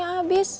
ya kolaknya abis